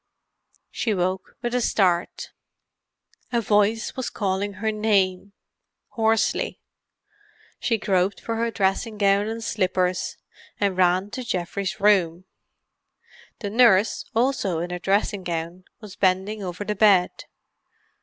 She woke with a start. A voice was calling her name, hoarsely; she groped for her dressing gown and slippers, and ran to Geoffrey's room. The nurse, also in her dressing gown, was bending over the bed.